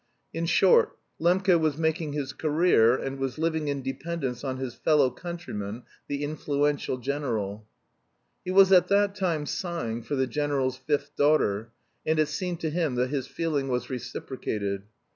In short, Lembke was making his career, and was living in dependence on his fellow countryman, the influential general. He was at that time sighing for the general's fifth daughter, and it seemed to him that his feeling was reciprocated.